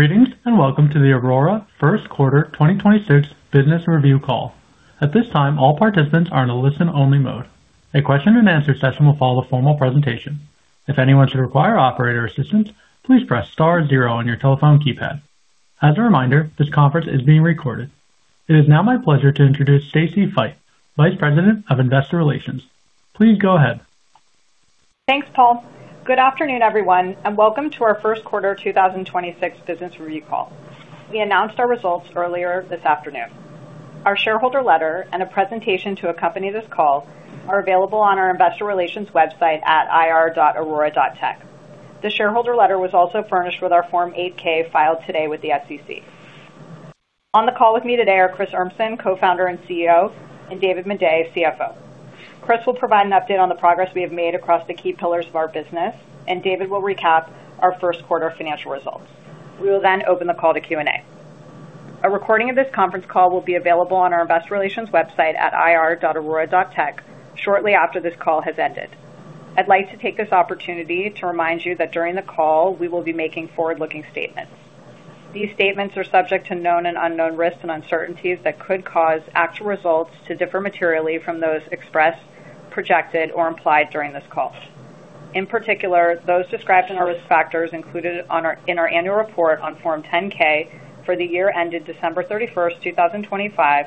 It is now my pleasure to introduce Stacy Feit, Vice President of Investor Relations. Please go ahead. Thanks, Paul. Good afternoon, everyone, welcome to our first quarter 2026 business review call. We announced our results earlier this afternoon. Our shareholder letter and a presentation to accompany this call are available on our investor relations website at ir.aurora.tech. The shareholder letter was also furnished with our Form 8-K filed today with the SEC. On the call with me today are Chris Urmson, Co-founder and CEO, David Maday, CFO. Chris will provide an update on the progress we have made across the key pillars of our business, David will recap our first quarter financial results. We will then open the call to Q&A. A recording of this conference call will be available on our investor relations website at ir.aurora.tech shortly after this call has ended. I'd like to take this opportunity to remind you that during the call, we will be making forward-looking statements. These statements are subject to known and unknown risks and uncertainties that could cause actual results to differ materially from those expressed, projected, or implied during this call. In particular, those described in our risk factors included in our annual report on Form 10-K for the year ended 31st December 2025,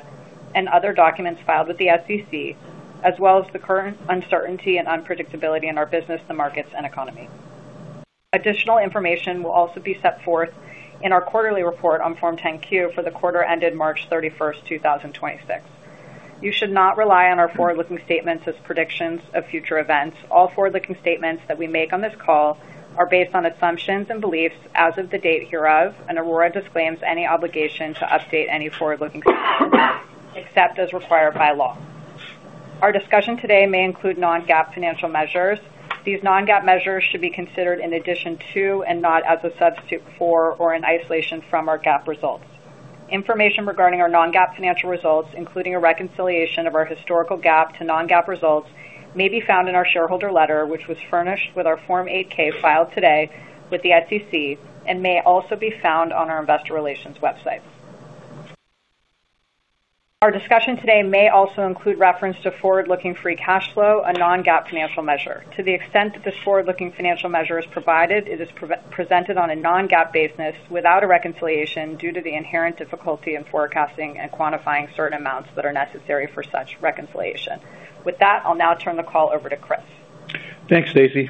and other documents filed with the SEC, as well as the current uncertainty and unpredictability in our business, the markets and economy. Additional information will also be set forth in our quarterly report on Form 10-Q for the quarter ended 31st March 2026. You should not rely on our forward-looking statements as predictions of future events. All forward-looking statements that we make on this call are based on assumptions and beliefs as of the date hereof, Aurora disclaims any obligation to update any forward-looking statements except as required by law. Our discussion today may include non-GAAP financial measures. These non-GAAP measures should be considered in addition to and not as a substitute for or in isolation from our GAAP results. Information regarding our non-GAAP financial results, including a reconciliation of our historical GAAP to non-GAAP results, may be found in our shareholder letter, which was furnished with our Form 8-K filed today with the SEC and may also be found on our investor relations website. Our discussion today may also include reference to forward-looking free cash flow, a non-GAAP financial measure. To the extent that this forward-looking financial measure is provided, it is presented on a non-GAAP basis without a reconciliation due to the inherent difficulty in forecasting and quantifying certain amounts that are necessary for such reconciliation. With that, I'll now turn the call over to Chris. Thanks, Stacy.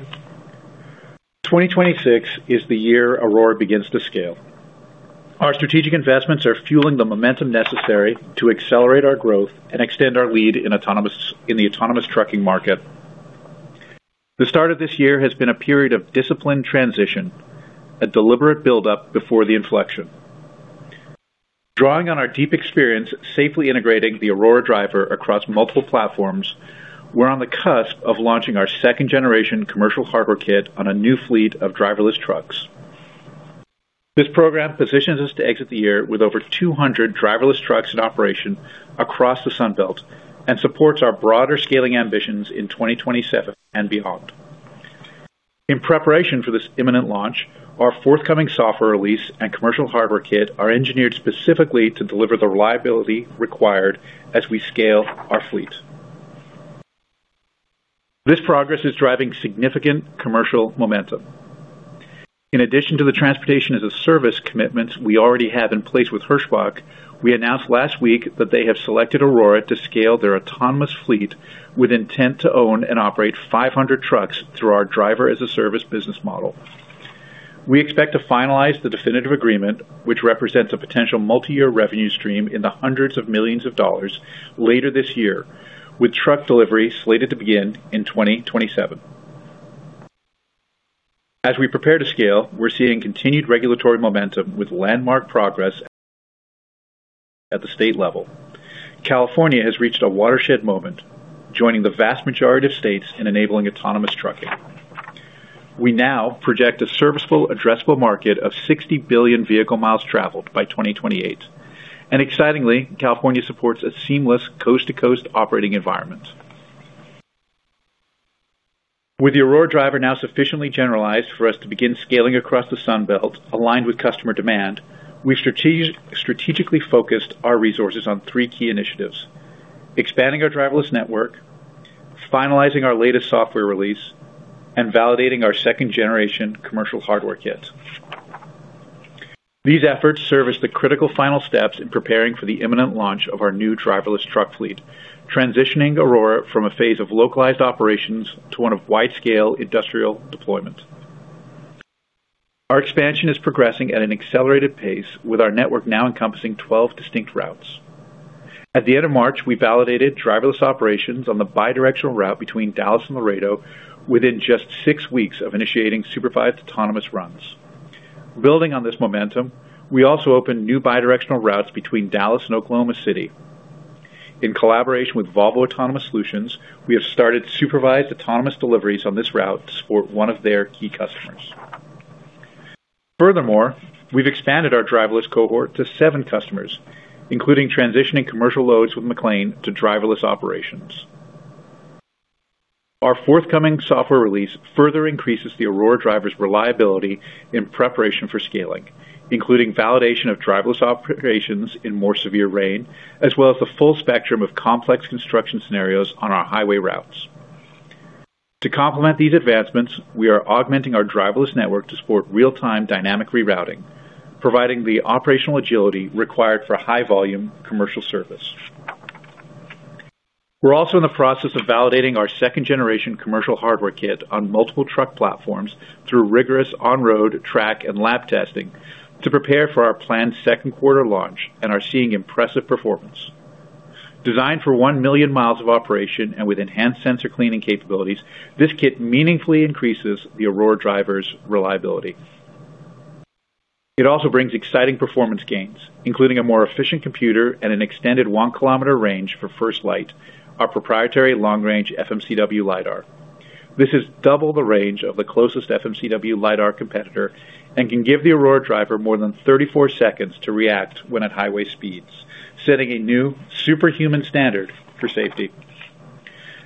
2026 is the year Aurora begins to scale. Our strategic investments are fueling the momentum necessary to accelerate our growth and extend our lead in the autonomous trucking market. The start of this year has been a period of disciplined transition, a deliberate buildup before the inflection. Drawing on our deep experience safely integrating the Aurora Driver across multiple platforms, we're on the cusp of launching our second generation commercial hardware kit on a new fleet of driverless trucks. This program positions us to exit the year with over 200 driverless trucks in operation across the Sun Belt and supports our broader scaling ambitions in 2027 and beyond. In preparation for this imminent launch, our forthcoming software release and commercial hardware kit are engineered specifically to deliver the reliability required as we scale our fleet. This progress is driving significant commercial momentum. In addition to the Transportation as a Service commitments we already have in place with Hirschbach, we announced last week that they have selected Aurora to scale their autonomous fleet with intent to own and operate 500 trucks through our Driver-as-a-Service business model. We expect to finalize the definitive agreement, which represents a potential multi-year revenue stream in the hundreds of millions of dollars later this year, with truck delivery slated to begin in 2027. As we prepare to scale, we're seeing continued regulatory momentum with landmark progress at the state level. California has reached a watershed moment, joining the vast majority of states in enabling autonomous trucking. We now project a serviceable addressable market of 60 billion vehicle miles traveled by 2028. Excitingly, California supports a seamless coast-to-coast operating environment. With the Aurora Driver now sufficiently generalized for us to begin scaling across the Sun Belt aligned with customer demand, we strategically focused our resources on three key initiatives, expanding our driverless network, finalizing our latest software release, and validating our 2nd generation commercial hardware kits. These efforts serve as the critical final steps in preparing for the imminent launch of our new driverless truck fleet, transitioning Aurora from a phase of localized operations to one of wide-scale industrial deployment. Our expansion is progressing at an accelerated pace, with our network now encompassing 12 distinct routes. At the end of March, we validated driverless operations on the bi-directional route between Dallas and Laredo within just six weeks of initiating supervised autonomous runs. Building on this momentum, we also opened new bi-directional routes between Dallas and Oklahoma City. In collaboration with Volvo Autonomous Solutions, we have started supervised autonomous deliveries on this route for one of their key customers. We've expanded our driverless cohort to seven customers, including transitioning commercial loads with McLane to driverless operations. Our forthcoming software release further increases the Aurora Driver's reliability in preparation for scaling, including validation of driverless operations in more severe rain, as well as the full spectrum of complex construction scenarios on our highway routes. To complement these advancements, we are augmenting our driverless network to support real-time dynamic rerouting, providing the operational agility required for high-volume commercial service. We're also in the process of validating our second generation commercial hardware kit on multiple truck platforms through rigorous on-road track and lab testing to prepare for our planned second quarter launch and are seeing impressive performance. Designed for 1 million miles of operation and with enhanced sensor cleaning capabilities, this kit meaningfully increases the Aurora Driver's reliability. It also brings exciting performance gains, including a more efficient computer and an extended 1 Km range for FirstLight, our proprietary long-range FMCW lidar. This is double the range of the closest FMCW lidar competitor and can give the Aurora Driver more than 34 seconds to react when at highway speeds, setting a new superhuman standard for safety.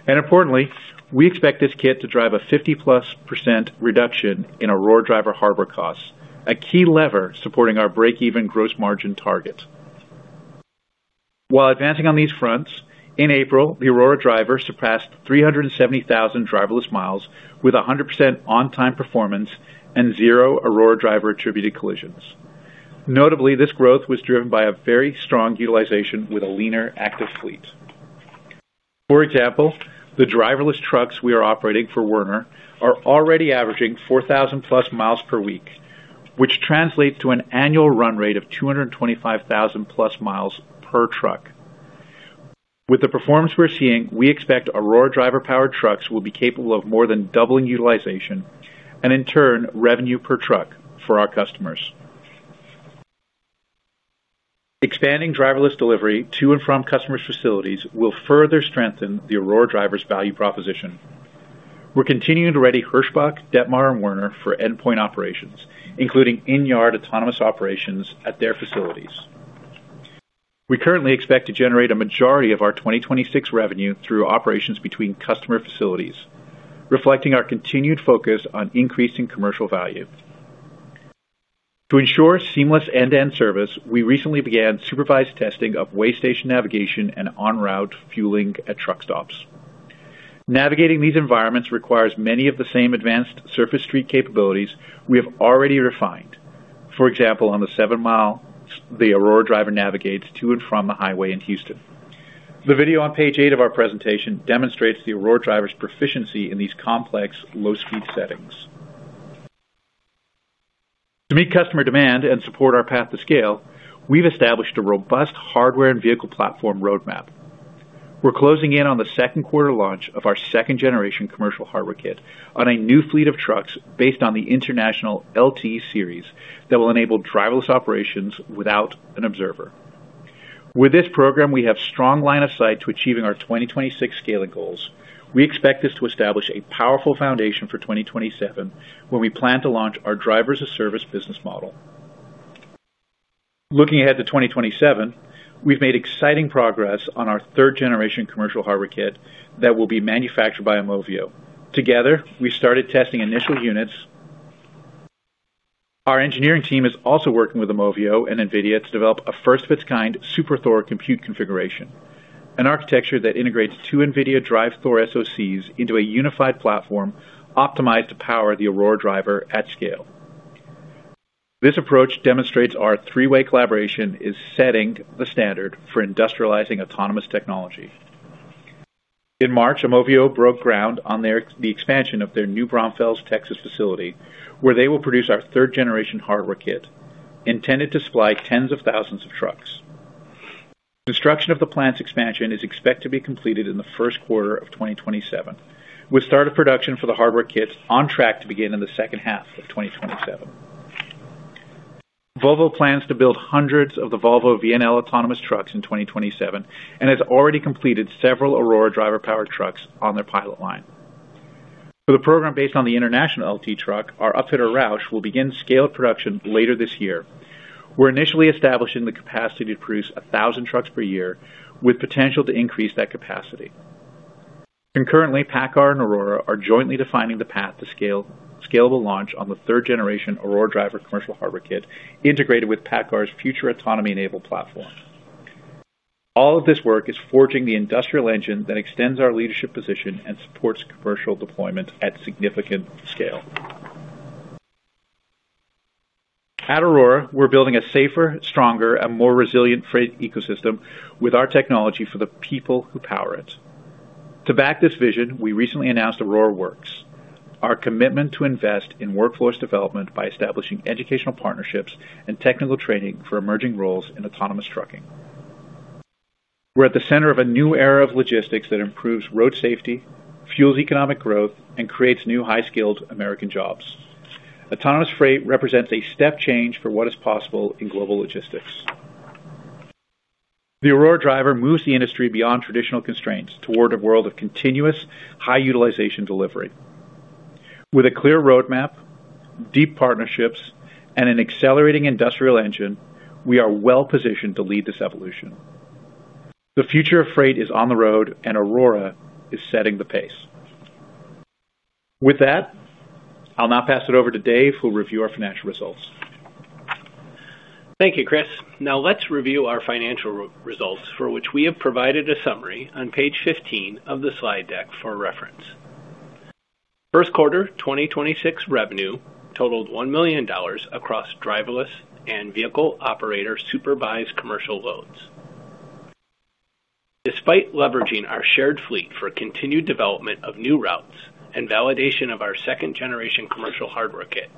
Importantly, we expect this kit to drive a 50-plus % reduction in Aurora Driver hardware costs, a key lever supporting our break-even gross margin target. While advancing on these fronts, in April, the Aurora Driver surpassed 370,000 driverless miles with a 100% on-time performance and zero Aurora Driver-attributed collisions. Notably, this growth was driven by a very strong utilization with a leaner active fleet. For example, the driverless trucks we are operating for Werner are already averaging 4,000+ miles per week, which translates to an annual run rate of 225,000+ miles per truck. With the performance we're seeing, we expect Aurora Driver-powered trucks will be capable of more than doubling utilization and in turn, revenue per truck for our customers. Expanding driverless delivery to and from customers' facilities will further strengthen the Aurora Driver's value proposition. We're continuing to ready Hirschbach, Detmer, and Werner for endpoint operations, including in-yard autonomous operations at their facilities. We currently expect to generate a majority of our 2026 revenue through operations between customer facilities, reflecting our continued focus on increasing commercial value. To ensure seamless end-to-end service, we recently began supervised testing of way station navigation and on-route fueling at truck stops. Navigating these environments requires many of the same advanced surface street capabilities we have already refined. For example, on the Seven Mile, the Aurora Driver navigates to and from the highway in Houston. The video on page eight of our presentation demonstrates the Aurora Driver's proficiency in these complex low-speed settings. To meet customer demand and support our path to scale, we've established a robust hardware and vehicle platform roadmap. We're closing in on the 2Q launch of our second generation commercial hardware kit on a new fleet of trucks based on the International LT series that will enable driverless operations without an observer. With this program, we have strong line of sight to achieving our 2026 scaling goals. We expect this to establish a powerful foundation for 2027, where we plan to launch our Driver-as-a-Service business model. Looking ahead to 2027, we've made exciting progress on our 3rd generation commercial hardware kit that will be manufactured by Aumovio. Together, we started testing initial units. Our engineering team is also working with Aumovio and NVIDIA to develop a first-of-its-kind Super Thor compute configuration, an architecture that integrates two NVIDIA DRIVE Thor SoCs into a unified platform optimized to power the Aurora Driver at scale. This approach demonstrates our three way collaboration is setting the standard for industrializing autonomous technology. In March, Aumovio broke ground on the expansion of their New Braunfels, Texas facility, where they will produce our 3rd generation hardware kit intended to supply tens of thousands of trucks. Construction of the plant's expansion is expected to be completed in the 1st quarter of 2027, with start of production for the hardware kits on track to begin in the 2nd half of 2027. Volvo plans to build hundreds of the Volvo VNL autonomous trucks in 2027 and has already completed several Aurora Driver-powered trucks on their pilot line. For the program based on the International LT truck, our upfitter Roush will begin scaled production later this year. We're initially establishing the capacity to produce 1,000 trucks per year with potential to increase that capacity. Concurrently, PACCAR and Aurora are jointly defining the path to scale, scalable launch on the third generation Aurora Driver commercial hardware kit integrated with PACCAR's future autonomy-enabled platform. All of this work is forging the industrial engine that extends our leadership position and supports commercial deployment at significant scale. At Aurora, we're building a safer, stronger, and more resilient freight ecosystem with our technology for the people who power it. To back this vision, we recently announced Aurora Works, our commitment to invest in workforce development by establishing educational partnerships and technical training for emerging roles in autonomous trucking. We're at the center of a new era of logistics that improves road safety, fuels economic growth, and creates new high-skilled American jobs. Autonomous freight represents a step change for what is possible in global logistics. The Aurora Driver moves the industry beyond traditional constraints toward a world of continuous high utilization delivery. With a clear roadmap, deep partnerships, and an accelerating industrial engine, we are well positioned to lead this evolution. The future of freight is on the road and Aurora is setting the pace. With that, I'll now pass it over to Dave, who will review our financial results. Thank you, Chris. Now let's review our financial results for which we have provided a summary on page 15 of the slide deck for reference. First quarter 2026 revenue totaled $1 million across driverless and vehicle operator supervised commercial loads. Despite leveraging our shared fleet for continued development of new routes and validation of our second generation commercial hardware kit,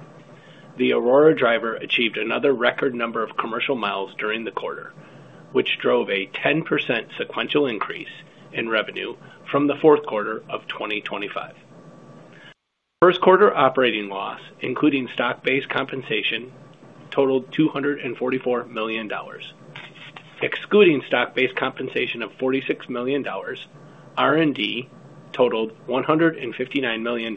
the Aurora Driver achieved another record number of commercial miles during the quarter, which drove a 10% sequential increase in revenue from the fourth quarter of 2025. First quarter operating loss, including stock-based compensation, totaled $244 million. Excluding stock-based compensation of $46 million, R&D totaled $159 million,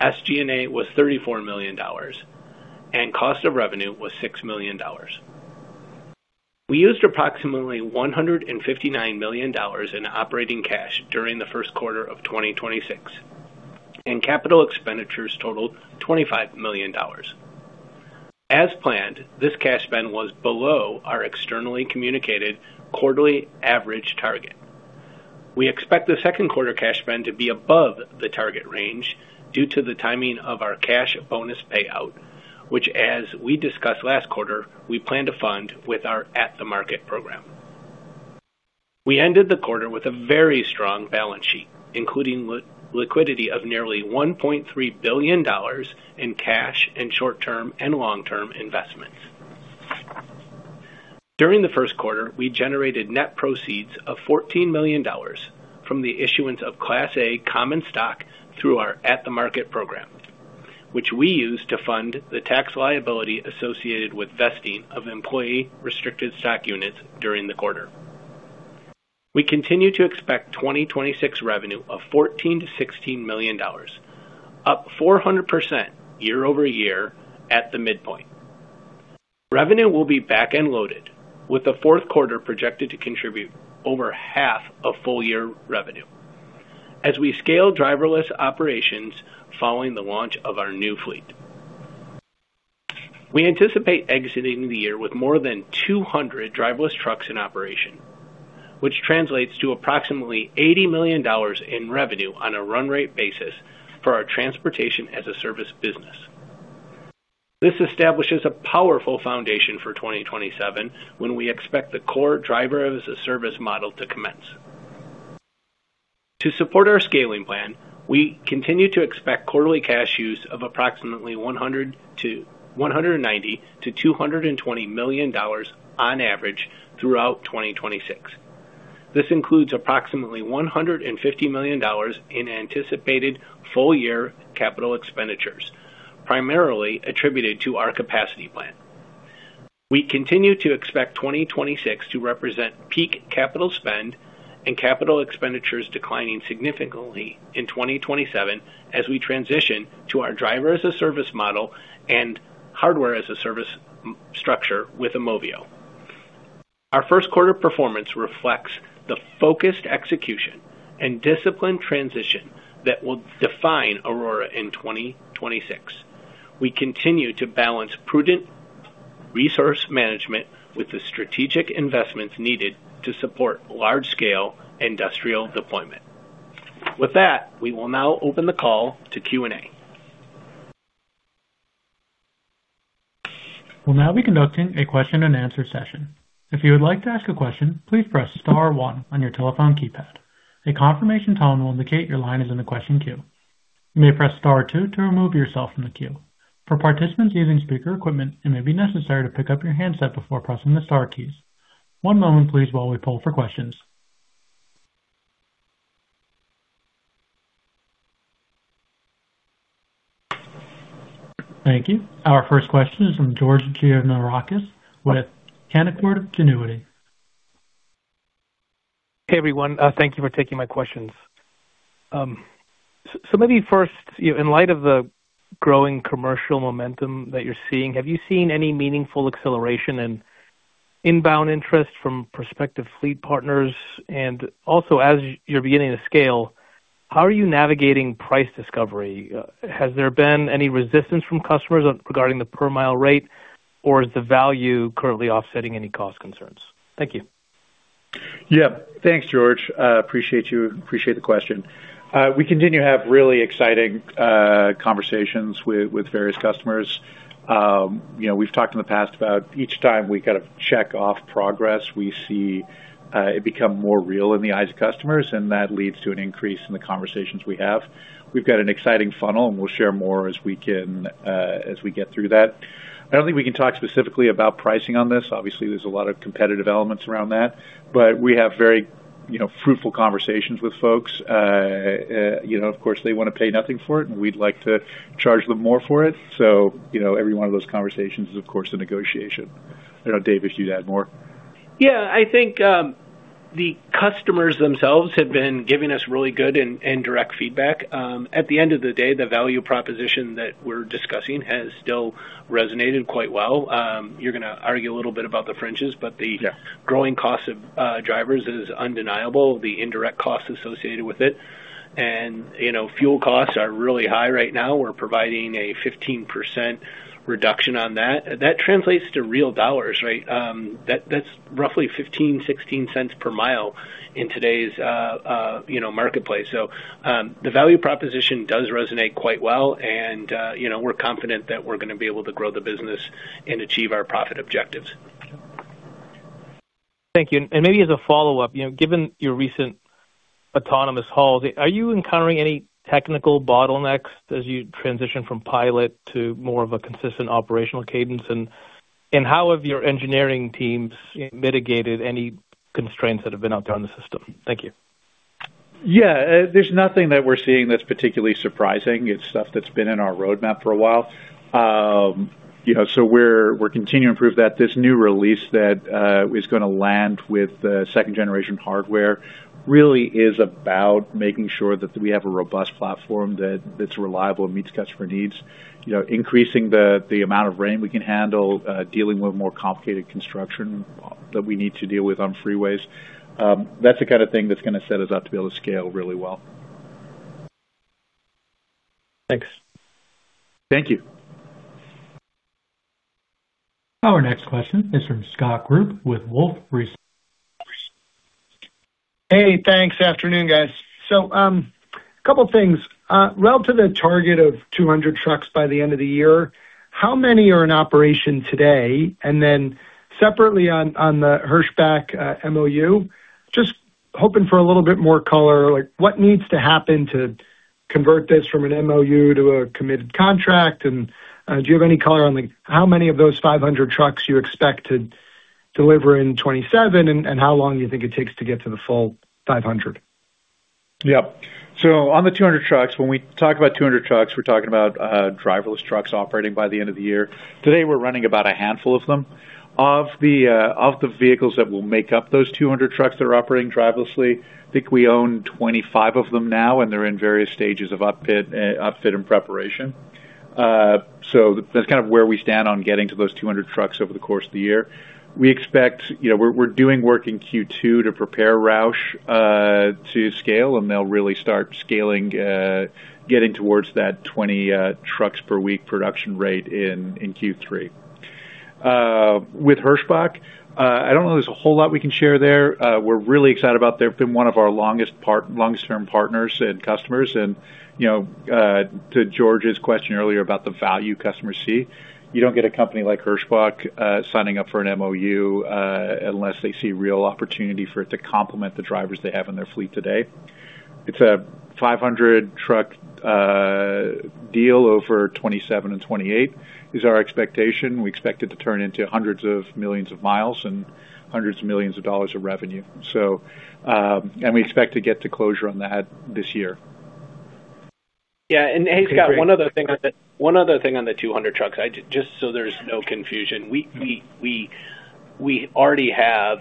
SG&A was $34 million, and cost of revenue was $6 million. We used approximately $159 million in operating cash during the first quarter of 2026, and capital expenditures totaled $25 million. As planned, this cash spend was below our externally communicated quarterly average target. We expect the second quarter cash spend to be above the target range due to the timing of our cash bonus payout, which as we discussed last quarter, we plan to fund with our at-the-market program. We ended the quarter with a very strong balance sheet, including liquidity of nearly $1.3 billion in cash and short-term and long-term investments. During the first quarter, we generated net proceeds of $14 million from the issuance of Class A common stock through our at-the-market program, which we use to fund the tax liability associated with vesting of employee restricted stock units during the quarter. We continue to expect 2026 revenue of $14 million-$16 million, up 400% year-over-year at the midpoint. Revenue will be back-end loaded, with the fourth quarter projected to contribute over half of full year revenue as we scale driverless operations following the launch of our new fleet. We anticipate exiting the year with more than 200 driverless trucks in operation, which translates to approximately $80 million in revenue on a run rate basis for our Transportation as a Service business. This establishes a powerful foundation for 2027 when we expect the core Driver-as-a-Service model to commence. To support our scaling plan, we continue to expect quarterly cash use of approximately $190 million-$220 million on average throughout 2026. This includes approximately $150 million in anticipated full year CapEx, primarily attributed to our capacity plan. We continue to expect 2026 to represent peak capital spend and CapEx declining significantly in 2027 as we transition to our Driver-as-a-Service model and Hardware as a Service structure with Aumovio. Our first quarter performance reflects the focused execution and disciplined transition that will define Aurora in 2026. We continue to balance prudent resource management with the strategic investments needed to support large scale industrial deployment. With that, we will now open the call to Q&A. Our first question is from George Gianarikas with Canaccord Genuity. Hey, everyone. Thank you for taking my questions. So maybe first, you know, in light of the growing commercial momentum that you're seeing, have you seen any meaningful acceleration and inbound interest from prospective fleet partners? Also, as you're beginning to scale, how are you navigating price discovery? Has there been any resistance from customers regarding the per mile rate, or is the value currently offsetting any cost concerns? Thank you. Yeah. Thanks, George. Appreciate you. Appreciate the question. We continue to have really exciting conversations with various customers. You know, we've talked in the past about each time we kind of check off progress, we see it become more real in the eyes of customers, and that leads to an increase in the conversations we have. We've got an exciting funnel, and we'll share more as we can as we get through that. I don't think we can talk specifically about pricing on this. Obviously, there's a lot of competitive elements around that, but we have very, you know, fruitful conversations with folks. You know, of course, they wanna pay nothing for it, and we'd like to charge them more for it. You know, every one of those conversations is, of course, a negotiation. I don't know, Dave, if you'd add more. Yeah, I think the customers themselves have been giving us really good and direct feedback. At the end of the day, the value proposition that we're discussing has still resonated quite well. You're gonna argue a little bit about the fringes. Yeah growing cost of drivers is undeniable, the indirect costs associated with it. You know, fuel costs are really high right now. We're providing a 15% reduction on that. That translates to real dollars, right? That's roughly $0.15-$0.16 per mile in today's, you know, marketplace. The value proposition does resonate quite well and, you know, we're confident that we're gonna be able to grow the business and achieve our profit objectives. Thank you. Maybe as a follow-up, you know, given your recent autonomous hauls, are you encountering any technical bottlenecks as you transition from pilot to more of a consistent operational cadence? How have your engineering teams mitigated any constraints that have been out there on the system? Thank you. Yeah. There's nothing that we're seeing that's particularly surprising. It's stuff that's been in our roadmap for a while. You know, we're continuing to prove that this new release that is gonna land with second generation hardware really is about making sure that we have a robust platform that's reliable and meets customer needs. You know, increasing the amount of rain we can handle, dealing with more complicated construction that we need to deal with on freeways. That's the kind of thing that's gonna set us up to be able to scale really well. Thanks. Thank you. Our next question is from Scott Group with Wolfe Research. Hey, thanks. Afternoon, guys. Couple things. Relative to the target of 200 trucks by the end of the year, how many are in operation today? Separately on the Hirschbach MOU, just hoping for a little bit more color, like what needs to happen to convert this from an MOU to a committed contract? Do you have any color on, like, how many of those 500 trucks you expect to deliver in 2027, and how long do you think it takes to get to the full 500? Yeah. On the 200 trucks, when we talk about 200 trucks, we're talking about driverless trucks operating by the end of the year. Today, we're running about a handful of them. Of the vehicles that will make up those 200 trucks that are operating driverlessly, I think we own 25 of them now, and they're in various stages of upfit and preparation. That's kind of where we stand on getting to those 200 trucks over the course of the year. You know, we're doing work in Q2 to prepare Roush Performance to scale, and they'll really start scaling, getting towards that 20 trucks per week production rate in Q3. With Hirschbach Motor Lines, I don't know there's a whole lot we can share there. We're really excited about, they've been one of our longest term partners and customers. You know, to George's question earlier about the value customers see, you don't get a company like Hirschbach signing up for an MOU unless they see real opportunity for it to complement the drivers they have in their fleet today. It's a 500 truck deal over 2027 and 2028 is our expectation. We expect it to turn into hundreds of millions of miles and hundreds of millions of dollars of revenue, so, and we expect to get to closure on that this year. Yeah. Hey, Scott, one other thing on the, one other thing on the 200 trucks, just so there's no confusion. We already have,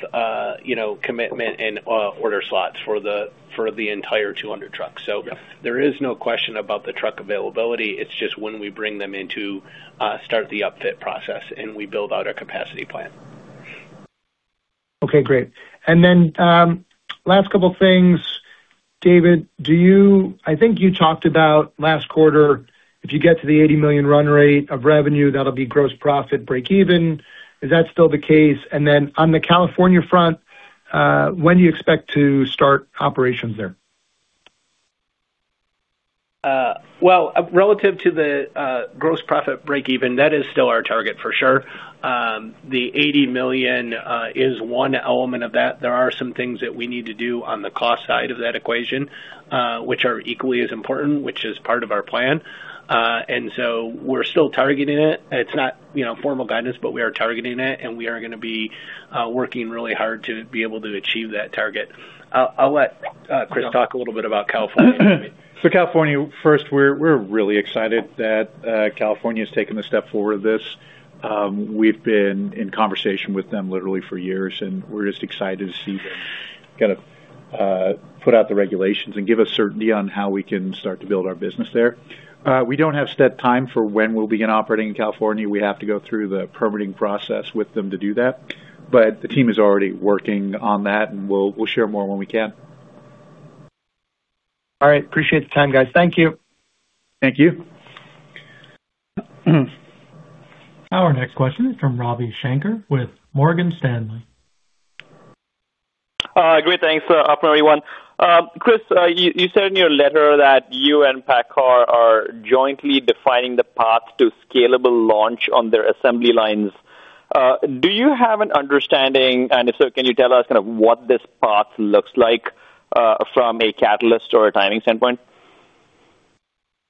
you know, commitment and order slots for the, for the entire 200 trucks. Yeah. There is no question about the truck availability. It's just when we bring them in to start the upfit process and we build out our capacity plan. Okay, great. Last couple things. David, I think you talked about last quarter, if you get to the $80 million run rate of revenue, that'll be gross profit breakeven. Is that still the case? On the California front, when do you expect to start operations there? Well, relative to the gross profit break even, that is still our target for sure. The $80 million is one element of that. There are some things that we need to do on the cost side of that equation, which are equally as important, which is part of our plan. We're still targeting it. It's not, you know, formal guidance, but we are targeting it, and we are gonna be working really hard to be able to achieve that target. I'll let Chris talk a little bit about California. California, first, we're really excited that California's taken a step forward with this. We've been in conversation with them literally for years, and we're just excited to see them kinda put out the regulations and give us certainty on how we can start to build our business there. We don't have set time for when we'll begin operating in California. We have to go through the permitting process with them to do that, but the team is already working on that and we'll share more when we can. All right. Appreciate the time, guys. Thank you. Thank you. Our next question is from Ravi Shanker with Morgan Stanley. Great. Thanks. Afternoon, everyone. Chris, you said in your letter that you and PACCAR are jointly defining the path to scalable launch on their assembly lines. Do you have an understanding? If so, can you tell us kind of what this path looks like from a catalyst or a timing standpoint?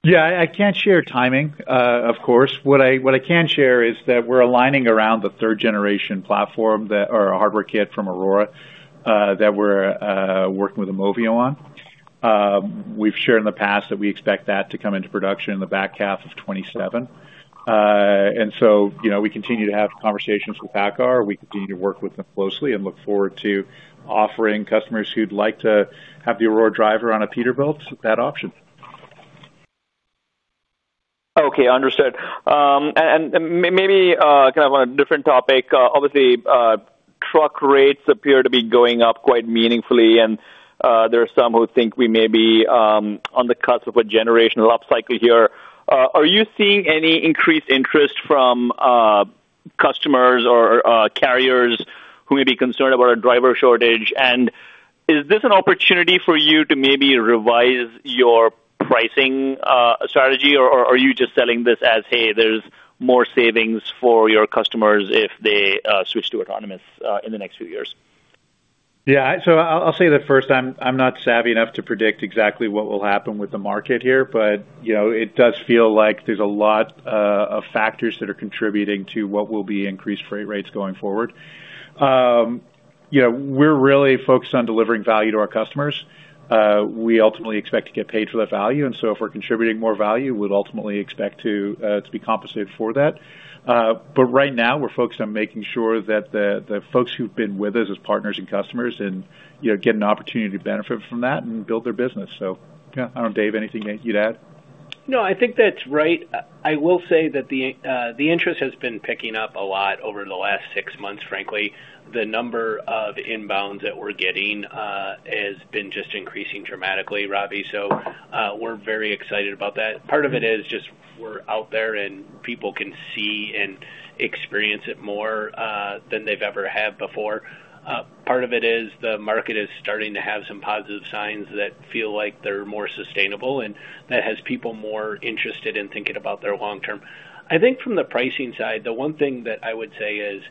Yeah. I can't share timing, of course. What I can share is that we're aligning around the third generation platform or a hardware kit from Aurora that we're working with Aumovio on. We've shared in the past that we expect that to come into production in the back half of 2027. You know, we continue to have conversations with PACCAR. We continue to work with them closely and look forward to offering customers who'd like to have the Aurora Driver on a Peterbilt that option. Okay. Understood. Maybe kind of on a different topic, obviously, truck rates appear to be going up quite meaningfully, and there are some who think we may be on the cusp of a generational upcycle here. Are you seeing any increased interest from customers or carriers who may be concerned about a driver shortage? Is this an opportunity for you to maybe revise your pricing strategy, or are you just selling this as, "Hey, there's more savings for your customers if they switch to autonomous in the next few years? Yeah. I'll say that, first, I'm not savvy enough to predict exactly what will happen with the market here, but, you know, it does feel like there's a lot of factors that are contributing to what will be increased freight rates going forward. You know, we're really focused on delivering value to our customers. We ultimately expect to get paid for that value, if we're contributing more value, we'd ultimately expect to be compensated for that. Right now, we're focused on making sure that the folks who've been with us as partners and customers and, you know, get an opportunity to benefit from that and build their business. Yeah. Dave, anything that you'd add? No, I think that's right. I will say that the interest has been picking up a lot over the last six months, frankly. The number of inbounds that we're getting has been just increasing dramatically, Ravi. We're very excited about that. Part of it is just we're out there, and people can see and experience it more than they've ever have before. Part of it is the market is starting to have some positive signs that feel like they're more sustainable, and that has people more interested in thinking about their long term. I think from the pricing side, the one thing that I would say is,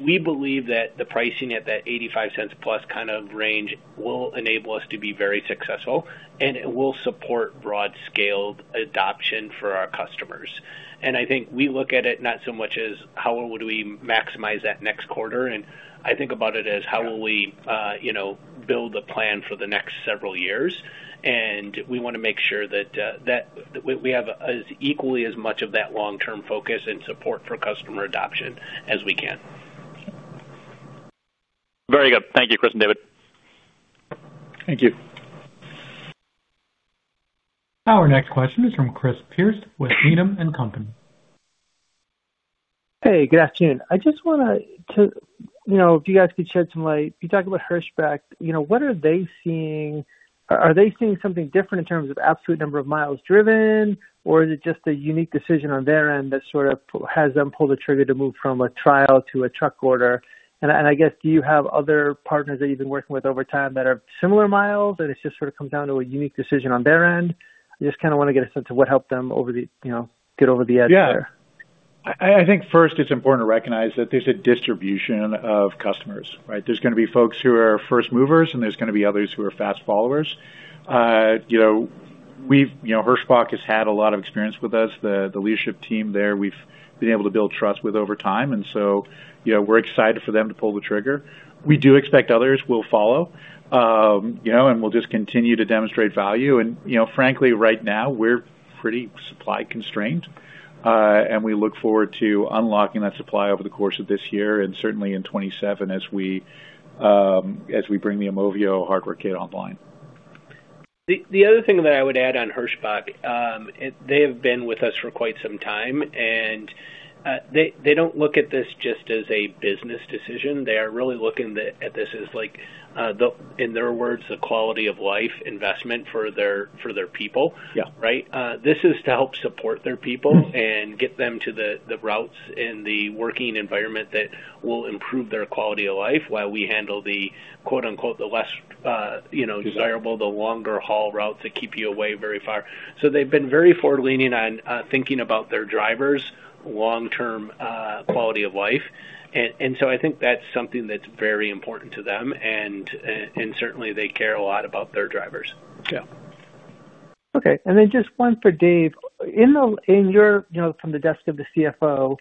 we believe that the pricing at that $0.85 plus kind of range will enable us to be very successful, and it will support broad scaled adoption for our customers. I think we look at it not so much as how would we maximize that next quarter, and I think about it as how will we, you know, build a plan for the next several years. We wanna make sure that we have as equally as much of that long-term focus and support for customer adoption as we can. Very good. Thank you, Chris and David. Thank you. Our next question is from Chris Pierce with Needham & Company. Hey, good afternoon. I just wanna, you know, if you guys could shed some light. You talked about Hirschbach. You know, what are they seeing? Are they seeing something different in terms of absolute number of miles driven, or is it just a unique decision on their end that sort of has them pull the trigger to move from a trial to a truck order? I guess, do you have other partners that you've been working with over time that have similar miles, and it just sort of comes down to a unique decision on their end? I just kinda wanna get a sense of what helped them over the, you know, get over the edge there. Yeah. I think first it's important to recognize that there's a distribution of customers, right? There's gonna be folks who are first movers, and there's gonna be others who are fast followers. You know, we've, you know, Hirschbach has had a lot of experience with us. The leadership team there, we've been able to build trust with over time. You know, we're excited for them to pull the trigger. We do expect others will follow. You know, we'll just continue to demonstrate value. You know, frankly, right now, we're pretty supply constrained. We look forward to unlocking that supply over the course of this year and certainly in 2027 as we bring the Aumovio hardware kit online. The other thing that I would add on Hirschbach, they have been with us for quite some time, and they don't look at this just as a business decision. They are really looking at this as like, the, in their words, the quality of life investment for their people. Yeah. Right? This is to help support their people and get them to the routes and the working environment that will improve their quality of life while we handle the, quote-unquote, "the less," you know, "desirable," the longer haul routes that keep you away very far. They've been very forward leaning on thinking about their drivers' long-term quality of life. I think that's something that's very important to them. Certainly, they care a lot about their drivers. Yeah. Okay. Just one for Dave. In your, you know, from the desk of the CFO,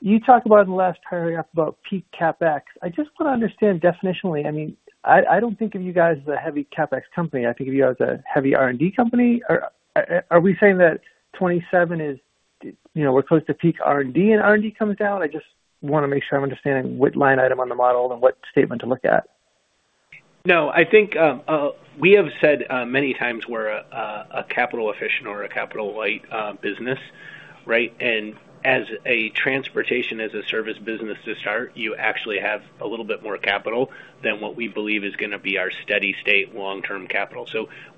you talked about in the last hiring up about peak CapEx. I just wanna understand definitionally. I mean, I don't think of you guys as a heavy CapEx company. I think of you as a heavy R&D company. Are we saying that 2027 is, you know, we're close to peak R&D, and R&D comes down? I just wanna make sure I'm understanding what line item on the model and what statement to look at. No. I think, we have said many times we're a capital efficient or a capital light business, right? As a transportation as a service business to start, you actually have a little bit more capital than what we believe is gonna be our steady state long-term capital.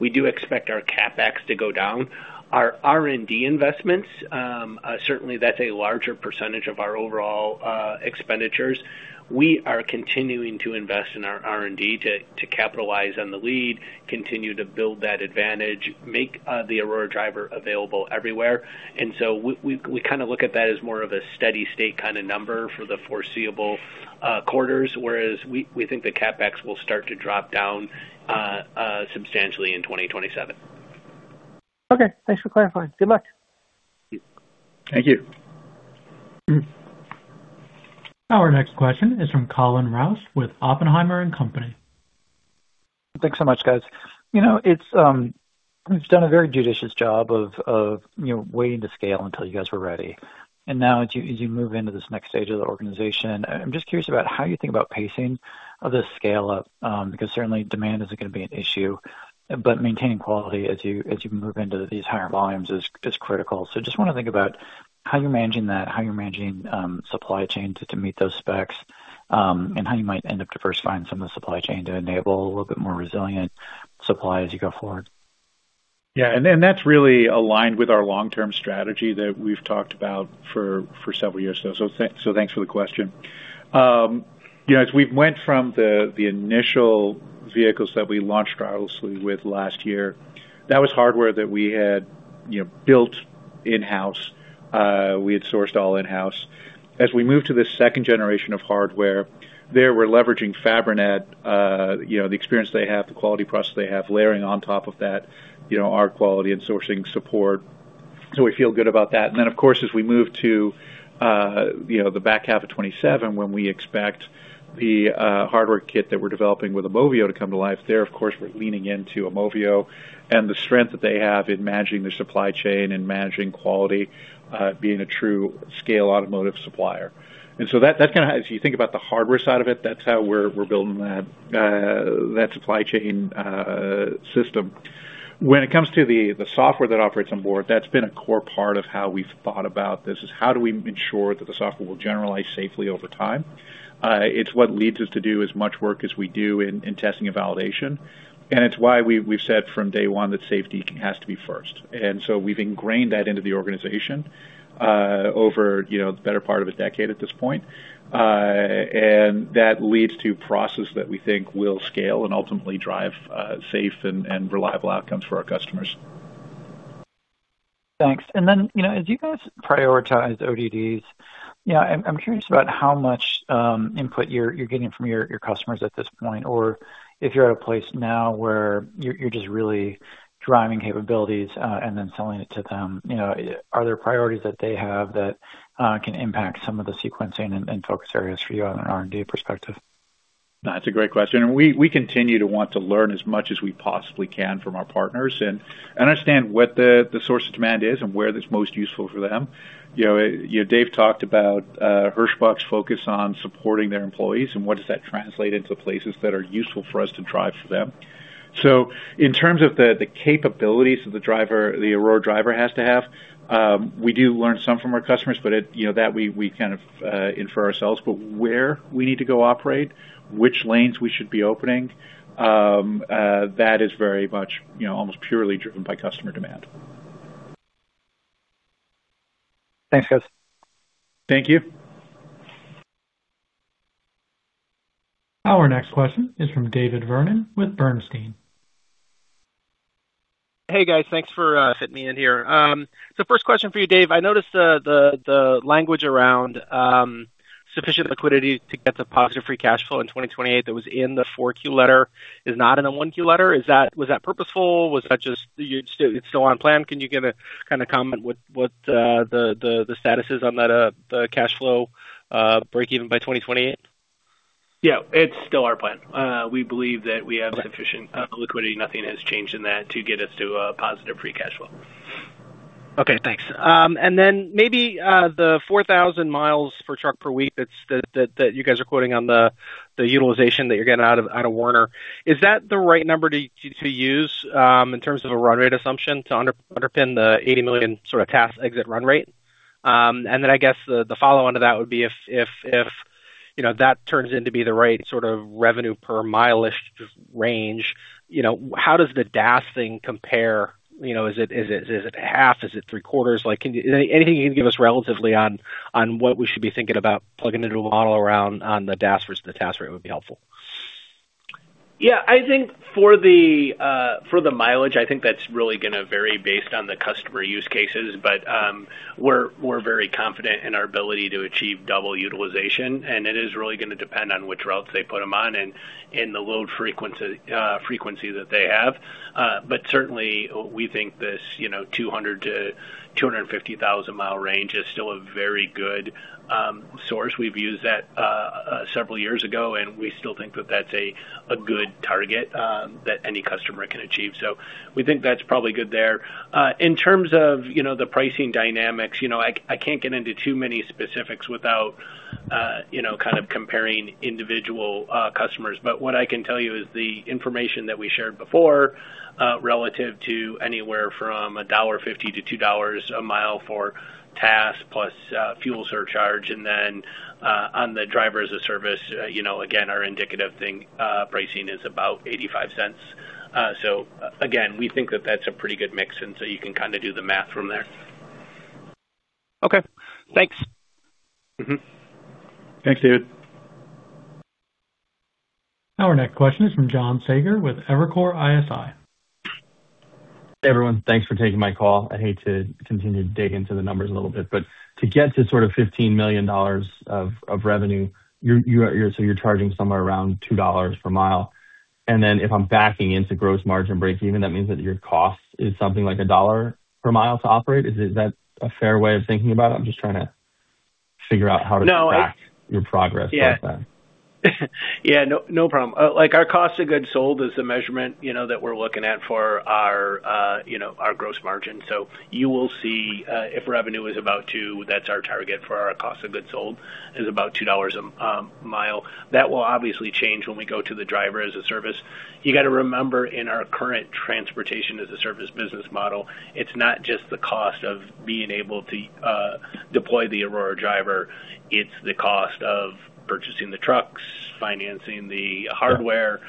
We do expect our CapEx to go down. Our R&D investments, certainly that's a larger percentage of our overall expenditures. We are continuing to invest in our R&D to capitalize on the lead, continue to build that advantage, make the Aurora Driver available everywhere. We kinda look at that as more of a steady state kinda number for the foreseeable quarters, whereas we think the CapEx will start to drop down substantially in 2027. Okay. Thanks for clarifying. Good luck. Thank you. Our next question is from Colin Rusch with Oppenheimer & Co. Thanks so much, guys. You know, it's, you've done a very judicious job of, you know, waiting to scale until you guys were ready. Now as you move into this next stage of the organization, I'm just curious about how you think about pacing of this scale-up. Because certainly demand isn't going to be an issue, but maintaining quality as you move into these higher volumes is critical. Just wanna think about how you're managing that, how you're managing supply chain to meet those specs, and how you might end up diversifying some of the supply chain to enable a little bit more resilient supply as you go forward. That's really aligned with our long-term strategy that we've talked about for several years now. Thanks for the question. You know, as we went from the initial vehicles that we launched Driverlessly with last year, that was hardware that we had, you know, built in-house. We had sourced all in-house. As we move to the second generation of hardware, there we're leveraging Fabrinet, you know, the experience they have, the quality process they have, layering on top of that, you know, our quality and sourcing support. We feel good about that. Of course, as we move to, you know, the back half of 2027, when we expect the hardware kit that we're developing with Aumovio to come to life, there, of course, we're leaning into Aumovio and the strength that they have in managing the supply chain and managing quality, being a true scale automotive supplier. That kind of as you think about the hardware side of it, that's how we're building that supply chain system. When it comes to the software that operates on board, that's been a core part of how we've thought about this is how do we ensure that the software will generalize safely over time. It's what leads us to do as much work as we do in testing and validation. It's why we've said from day one that safety has to be first. We've ingrained that into the organization, over, you know, the better part of a decade at this point. That leads to process that we think will scale and ultimately drive safe and reliable outcomes for our customers. Thanks. You know, as you guys prioritize ODDs, you know, I'm curious about how much input you're getting from your customers at this point, or if you're at a place now where you're just really driving capabilities, and then selling it to them. You know, are there priorities that they have that can impact some of the sequencing and focus areas for you on an R&D perspective? No, that's a great question. We continue to want to learn as much as we possibly can from our partners and understand what the source of demand is and where that's most useful for them. You know, Dave talked about Hirschbach's focus on supporting their employees and what does that translate into places that are useful for us to drive for them. In terms of the capabilities of the Aurora Driver has to have, we do learn some from our customers, but you know, that we kind of infer ourselves. Where we need to go operate, which lanes we should be opening, that is very much, you know, almost purely driven by customer demand. Thanks, guys. Thank you. Our next question is from David Vernon with Bernstein. Hey, guys. Thanks for fitting me in here. First question for you, Dave. I noticed the language around sufficient liquidity to get to positive free cash flow in 2028 that was in the 4Q letter is not in a 1Q letter. Was that purposeful? Was that just you're still on plan? Can you give a kind of comment what the status is on that the cash flow breakeven by 2028? Yeah, it's still our plan. We believe that we have sufficient liquidity. Nothing has changed in that to get us to a positive free cash flow. Okay, thanks. Then maybe the 4,000 miles per truck per week that you guys are quoting on the utilization that you're getting out of Werner. Is that the right number to use in terms of a run rate assumption to underpin the $80 million sort of TaaS exit run rate? Then I guess the follow-on to that would be if, you know, that turns into be the right sort of revenue per mile-ish range, you know, how does the DaaS thing compare? You know, is it half? Is it three quarters? Like, anything you can give us relatively on what we should be thinking about plugging into a model around the DaaS versus the TaaS rate would be helpful. Yeah, I think for the mileage, I think that's really gonna vary based on the customer use cases. We're very confident in our ability to achieve double utilization, and it is really gonna depend on which routes they put them on and the load frequency that they have. Certainly we think this, you know, 200-250 thousand mile range is still a very good source. We've used that several years ago, we still think that that's a good target that any customer can achieve. We think that's probably good there. In terms of, you know, the pricing dynamics, you know, I can't get into too many specifics without, you know, kind of comparing individual customers. What I can tell you is the information that we shared before, relative to anywhere from $1.50-$2 a mile for TaaS plus, fuel surcharge, and then, on the Driver-as-a-Service, you know, again, our indicative thing, pricing is about $0.85. Again, we think that that's a pretty good mix, and so you can kind of do the math from there. Okay, thanks. Thanks, David. Our next question is from John Saager with Evercore ISI. Hey, everyone. Thanks for taking my call. I'd hate to continue to dig into the numbers a little bit, but to get to sort of $15 million of revenue, you're charging somewhere around $2 per mile. If I'm backing into gross margin breakeven, that means that your cost is something like $1 per mile to operate. Is that a fair way of thinking about it? No. back your progress like that. Yeah. Yeah. No, no problem. Our cost of goods sold is a measurement that we're looking at for our gross margin. You will see, if revenue is about two, that's our target for our cost of goods sold, is about $2 a mile. That will obviously change when we go to the Driver-as-a-Service. You gotta remember, in our current Transportation as a Service business model, it's not just the cost of being able to deploy the Aurora Driver, it's the cost of purchasing the trucks, financing the hardware.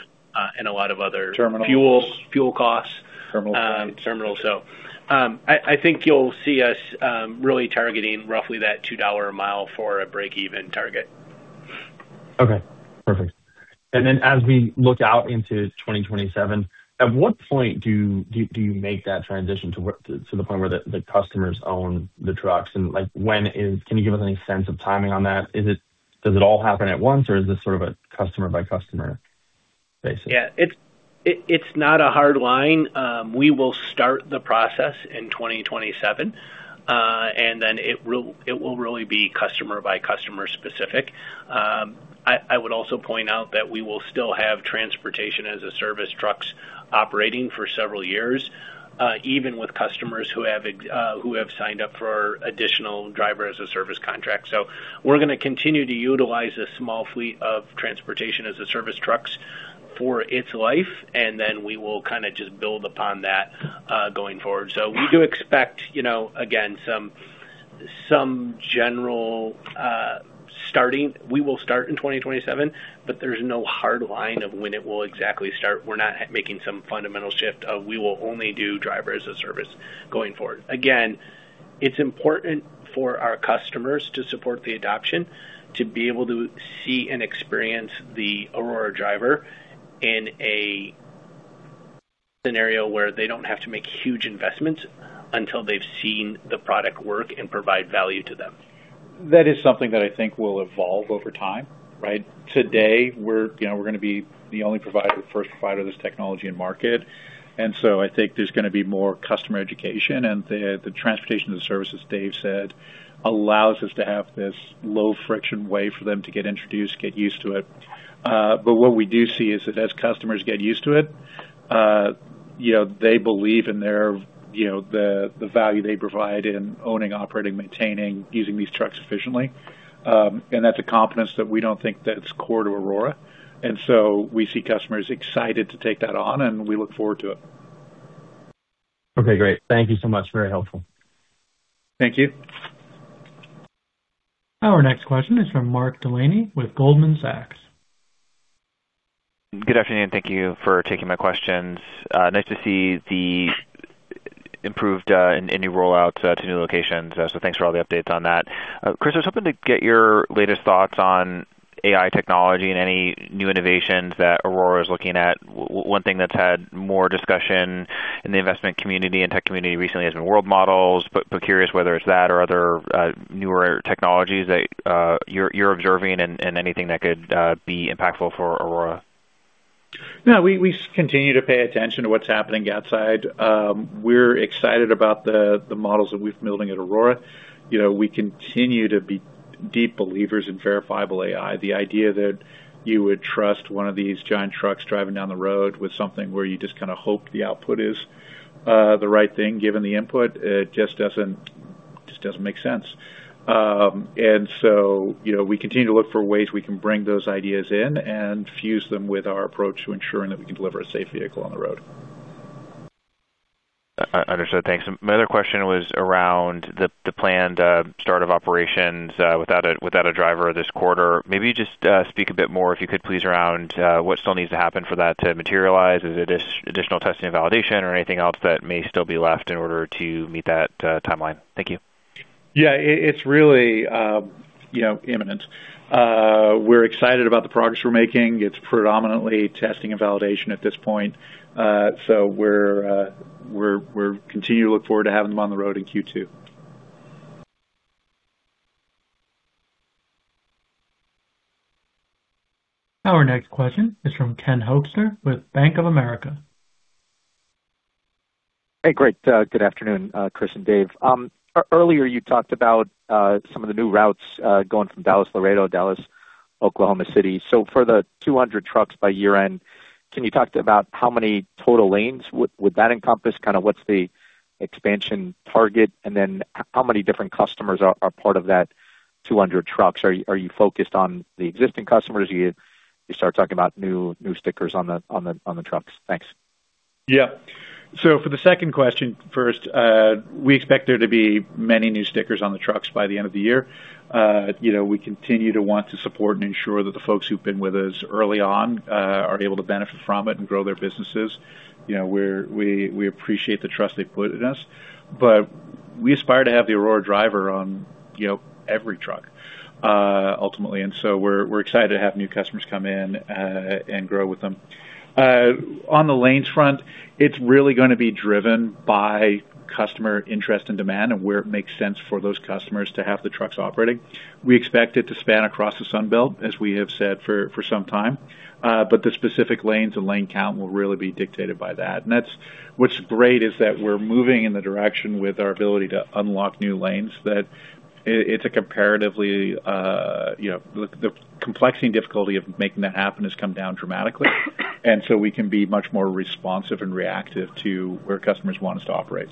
Terminals fuel costs. Terminal costs. terminals. I think you'll see us, really targeting roughly that $2 a mile for a breakeven target. Okay, perfect. As we look out into 2027, at what point do you make that transition to the point where the customers own the trucks? Like, when can you give us any sense of timing on that? Does it all happen at once, or is this sort of a customer-by-customer basis? It's not a hard line. We will start the process in 2027, it will really be customer by customer specific. I would also point out that we will still have Transportation-as-a-Service trucks operating for several years, even with customers who have signed up for our additional Driver-as-a-Service contract. We're going to continue to utilize a small fleet of Transportation-as-a-Service trucks for its life, we will kind of just build upon that going forward. We do expect, you know, again, some general starting. We will start in 2027, there's no hard line of when it will exactly start. We're not making some fundamental shift of we will only do Driver-as-a-Service going forward. It's important for our customers to support the adoption, to be able to see and experience the Aurora Driver in a scenario where they don't have to make huge investments until they've seen the product work and provide value to them. That is something that I think will evolve over time, right? Today, we're, you know, we're gonna be the only provider, the first provider of this technology in market. I think there's gonna be more customer education. The Transportation-as-a-Service, as Dave said, allows us to have this low-friction way for them to get introduced, get used to it. What we do see is that as customers get used to it, you know, they believe in their, you know, the value they provide in owning, operating, maintaining, using these trucks efficiently. That's a confidence that we don't think that it's core to Aurora. We see customers excited to take that on, and we look forward to it. Okay, great. Thank you so much. Very helpful. Thank you. Our next question is from Mark Delaney with Goldman Sachs. Good afternoon. Thank you for taking my questions. Nice to see the improved and new rollouts to new locations. Thanks for all the updates on that. Chris, I was hoping to get your latest thoughts on AI technology and any new innovations that Aurora is looking at. One thing that's had more discussion in the investment community and tech community recently has been world models, but curious whether it's that or other newer technologies that you're observing and anything that could be impactful for Aurora. No. We continue to pay attention to what's happening outside. We're excited about the models that we've been building at Aurora. You know, we continue to be deep believers in verifiable AI. The idea that you would trust one of these giant trucks driving down the road with something where you just kinda hope the output is the right thing given the input, it just doesn't make sense. You know, we continue to look for ways we can bring those ideas in and fuse them with our approach to ensuring that we can deliver a safe vehicle on the road. Understood. Thanks. My other question was around the planned start of operations without a driver this quarter. Maybe just speak a bit more, if you could, please, around what still needs to happen for that to materialize. Is it additional testing and validation or anything else that may still be left in order to meet that timeline? Thank you. It's really, you know, imminent. We're excited about the progress we're making. It's predominantly testing and validation at this point. We're continuing to look forward to having them on the road in Q2. Our next question is from Ken Hoexter with Bank of America. Hey. Great. Good afternoon, Chris and Dave. Earlier you talked about some of the new routes going from Dallas to Laredo, Dallas, Oklahoma City. For the 200 trucks by year-end, can you talk to about how many total lanes would that encompass? What's the expansion target? How many different customers are part of that 200 trucks? Are you focused on the existing customers? Do you start talking about new stickers on the trucks? Thanks. Yeah. For the second question first, we expect there to be many new stickers on the trucks by the end of the year. You know, we continue to want to support and ensure that the folks who've been with us early on, are able to benefit from it and grow their businesses. You know, we appreciate the trust they've put in us. We aspire to have the Aurora Driver on, you know, every truck ultimately. We're excited to have new customers come in and grow with them. On the lanes front, it's really gonna be driven by customer interest and demand and where it makes sense for those customers to have the trucks operating. We expect it to span across the Sun Belt, as we have said for some time. The specific lanes and lane count will really be dictated by that. That's what's great, is that we're moving in the direction with our ability to unlock new lanes, that it's a comparatively, you know, the complexity and difficulty of making that happen has come down dramatically. We can be much more responsive and reactive to where customers want us to operate.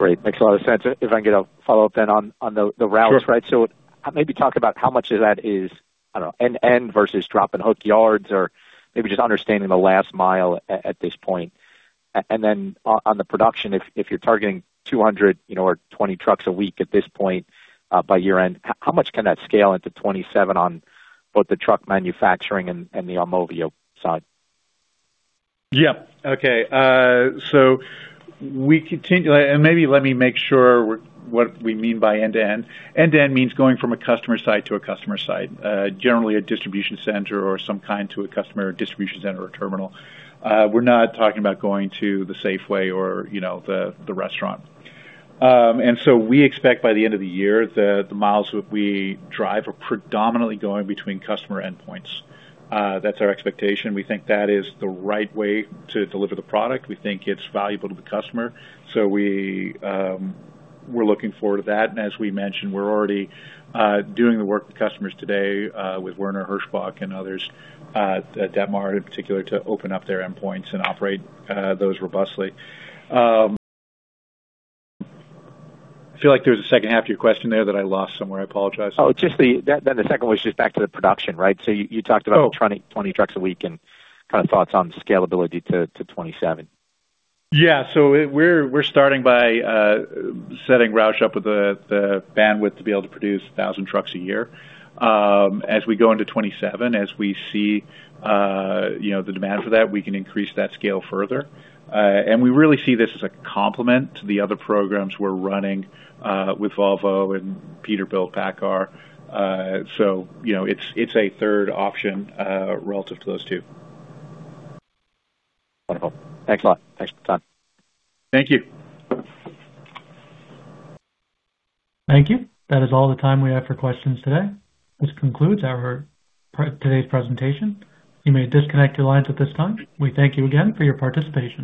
Great. Makes a lot of sense. If I can get a follow-up then on the routes, right? Sure. Maybe talk about how much of that is, I don't know, end-to-end versus drop and hook yards or maybe just understanding the last mile at this point. And then on the production, if you're targeting 200, you know, or 20 trucks a week at this point, by year-end, how much can that scale into 2027 on both the truck manufacturing and the Aumovio side? Okay. And maybe let me make sure what we mean by end-to-end. End-to-end means going from a customer site to a customer site, generally a distribution center or some kind to a customer distribution center or terminal. We're not talking about going to the Safeway or, you know, the restaurant. We expect by the end of the year that the miles we drive are predominantly going between customer endpoints. That's our expectation. We think that is the right way to deliver the product. We think it's valuable to the customer. We're looking forward to that. As we mentioned, we're already doing the work with customers today with Werner, Hirschbach, and others at that mart in particular, to open up their endpoints and operate those robustly. I feel like there was a second half of your question there that I lost somewhere. I apologize. Just the second was just back to the production, right? You talked about 20 trucks a week and kind of thoughts on scalability to 27. Yeah. We're starting by setting Roush up with the bandwidth to be able to produce 1,000 trucks a year. As we go into 2027, as we see, you know, the demand for that, we can increase that scale further. We really see this as a complement to the other programs we're running with Volvo and Peterbilt PACCAR. You know, it's a third option relative to those two. Wonderful. Thanks a lot. Thanks for the time. Thank you. Thank you. That is all the time we have for questions today. This concludes our today's presentation. You may disconnect your lines at this time. We thank you again for your participation.